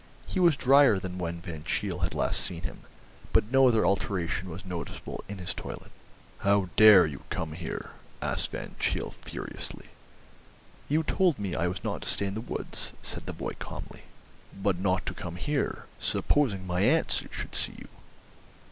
He was drier than when Van Cheele had last seen him, but no other alteration was noticeable in his toilet. "How dare you come here?" asked Van Cheele furiously. "You told me I was not to stay in the woods," said the boy calmly. "But not to come here. Supposing my aunt should see you!"